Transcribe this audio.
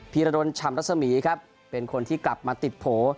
ีรดลชำรัศมีครับเป็นคนที่กลับมาติดโผล่